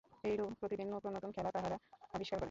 এইরূপ প্রতিদিন নূতন নূতন খেলা তাহারা আবিষ্কার করে।